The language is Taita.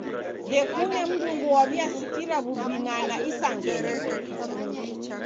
Ndekune mndungi waw'iasikira w'ubinana isangenyi.